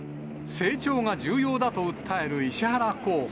成長が重要だと訴える石原候補。